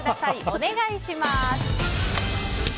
お願いします。